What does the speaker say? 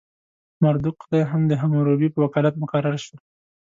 مردوک خدای هم د حموربي په وکالت مقرر شو.